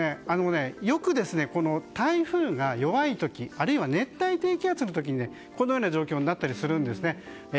よく台風が弱い時あるいは熱帯低気圧の時にこのような状況になったりするんです。